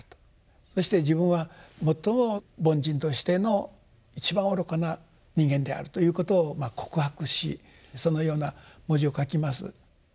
そして自分は最も凡人としての一番愚かな人間であるということを告白しそのような文字を書きます。